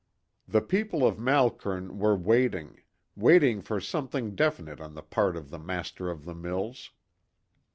The people of Malkern were waiting, waiting for something definite on the part of the master of the mills.